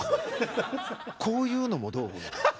「こういうのもどう？